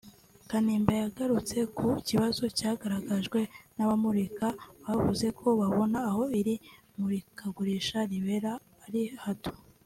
Kanimba yanagarutse ku kibazo cyagaragajwe n’abamurika bavuze ko babona aho iri murikagurisha ribera ari hato